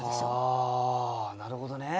はあなるほどね。